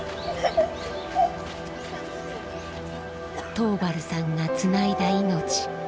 桃原さんがつないだ命。